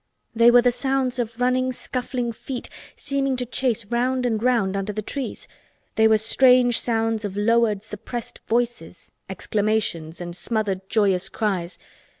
They were the sounds of running scuffling feet seeming to chase round and round under the trees, they were strange sounds of lowered suppressed voices—exclamations and smothered joyous cries.